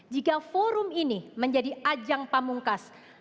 jika forum ini menjadi ajang pamungkas